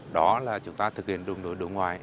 đó là chúng ta thực hiện đường lối đối ngoại